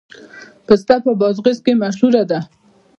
پسته په بادغیس کې مشهوره ده